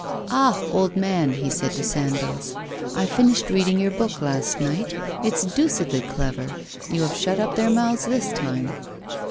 'Ah! old man,' he said to Sandoz, 'I finished reading your book last night. It's deucedly clever; you have shut up their mouths this time!